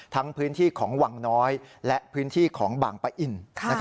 พื้นที่ของวังน้อยและพื้นที่ของบางปะอิน